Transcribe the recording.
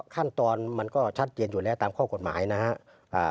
ขั้นตอนมันก็ชัดเจนอยู่แล้วตามข้อกฎหมายนะครับ